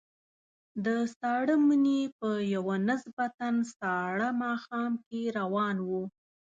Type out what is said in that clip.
د ساړه مني په یوه نسبتاً ساړه ماښام کې روان وو.